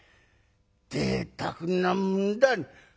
ぜいたくなもんだ。